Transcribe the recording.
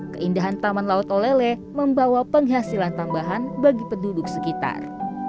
keindahan taman laut olele membawa penghasilan tambahan bagi penduduk sekitar